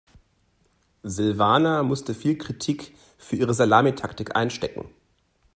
Silvana musste viel Kritik für ihre Salamitaktik einstecken.